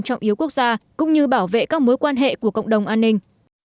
trọng yếu quốc gia cũng như bảo vệ các mối quan hệ của cộng đồng an ninh